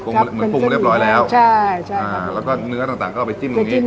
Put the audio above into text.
ปรุงเหมือนปรุงมันได้ปล่อยแล้วใช่ใช่ครับอ่าแล้วก็เนื้อต่างต่างก็เอาไปจิ้มตรงนี้